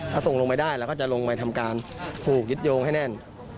ถ้าส่งลงไปได้เราก็จะลงไปทำการผูกยึดโยงให้แน่น